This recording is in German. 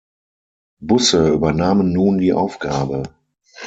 Busse übernahmen nun die Aufgabe.